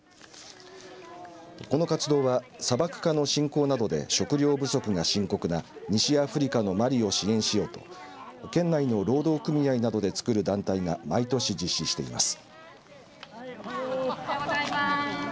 この活動は砂漠化の進行などで食糧不足が深刻な西アフリカのマリを支援しようと県内の労働組合などでつくる団体が毎年実施しています。